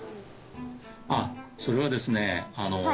あっそれはですね